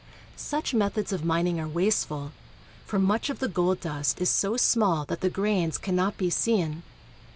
Such methods of min ing are wasteful, for much of the gold dust is so small that the grains cannot be seen.